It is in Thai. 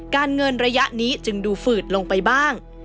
เงินระยะนี้จึงดูฝืดลงไปบ้าง